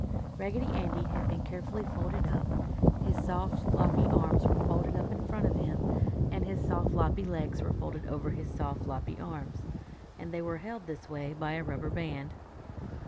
Raggedy Andy had been carefully folded up. His soft, loppy arms were folded up in front of him and his soft, loppy legs were folded over his soft, loppy arms, and they were held this way by a rubber band.